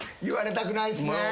言われたくないっすね。